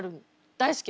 大好き！